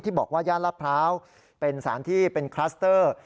บอกว่าย่านลาดพร้าวเป็นสารที่เป็นคลัสเตอร์